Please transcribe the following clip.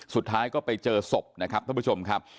สุดท้ายก็ไปเจอศพนะครับท่านผู้ชมครับ